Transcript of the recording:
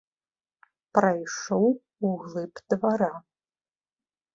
Прайшоў у глыб двара.